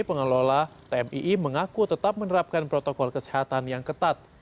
pengelola tmii mengaku tetap menerapkan protokol kesehatan yang ketat